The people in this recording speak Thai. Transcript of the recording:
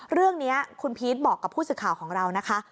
เรื่องนี้คุณพีชบอกกับผู้สื่อข่าวของเรานะคะ